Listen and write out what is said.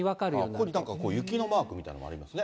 ここに雪のマークみたいなのがありますね。